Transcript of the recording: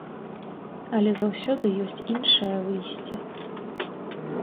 Але заўсёды ёсць іншае выйсце.